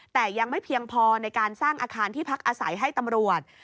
แต่ยังไม่เพียงพอในการสร้างอาคารที่พักอาศัยให้ตำรวจ